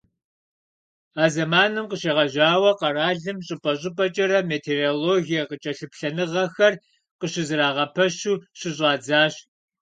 А зэманым къыщегъэжьауэ къэралым щӀыпӀэ-щӀыпӀэкӀэрэ метеорологие кӀэлъыплъыныгъэхэр къыщызэрагъэпэщу щыщӀадзащ.